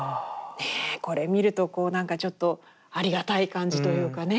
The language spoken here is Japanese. これ見るとこうなんかちょっとありがたい感じというかね。